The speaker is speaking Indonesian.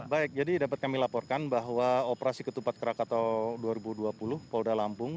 baik jadi dapat kami laporkan bahwa operasi ketupat krakatau dua ribu dua puluh polda lampung